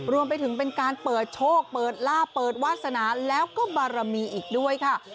รวมไปถึงเป็นการเปิดโชคเปิดลาบเปิดวาสนาแล้วก็บารมีอีกด้วยค่ะ